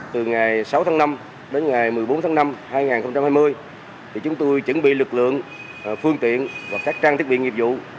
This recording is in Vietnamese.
từ ngày sáu tháng năm đến ngày một mươi bốn tháng năm hai nghìn hai mươi chúng tôi chuẩn bị lực lượng phương tiện và các trang thiết bị nghiệp vụ